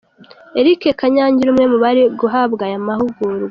Eric Kanyangira umwe mu bari guhabwa aya mahugurwa.